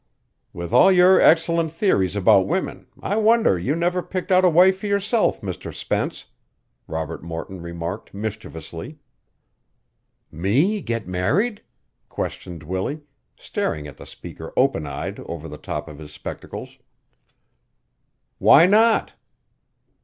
"With all your excellent theories about women, I wonder you never picked out a wife for yourself, Mr. Spence," Robert Morton remarked mischievously. "Me get married?" questioned Willie, staring at the speaker open eyed over the top of his spectacles. "Why not?"